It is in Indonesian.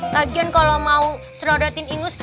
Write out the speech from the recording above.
lagian kalau mau serodotin ingus